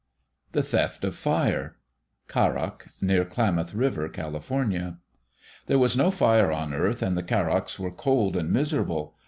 The Theft of Fire Karok (near Klamath River, Cal.) There was no fire on earth and the Karoks were cold and miserable.